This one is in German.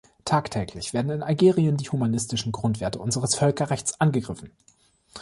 Tagtäglich werden in Algerien die humanistischen Grundwerte unseres Völkerrechts angegriffen.